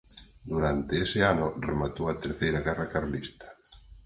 Durante ese ano rematou a Terceira guerra carlista.